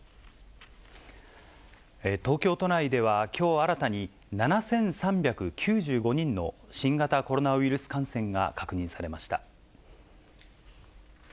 東京都内では、きょう新たに７３９５人の新型コロナウイルス感染が確認されました。